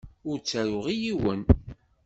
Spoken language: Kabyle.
Ur ttaruɣ i yiwen.